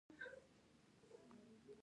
موږ غوښه له کومه کوو؟